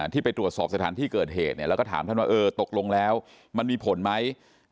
ที่ไปตรวจสอบสถานที่เกิดเหตุแล้วก็ถามท่านว่าเออตกลงแล้วมันมีผลไหม